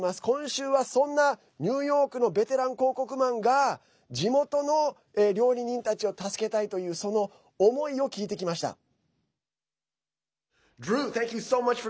今週は、そんなニューヨークのベテラン広告マンが地元の料理人たちを助けたいというその思いを聞いてきました。